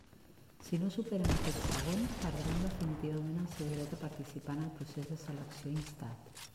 Si no superen aquest segon, perdran definitivament el seu dret a participar en el procés de selecció instat.